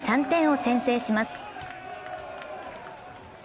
一気に３点を先制します。